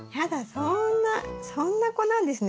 そんなそんな子なんですね